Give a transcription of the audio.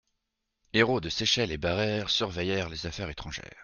Hérault de Séchelles et Barère surveillèrent les affaires étrangères.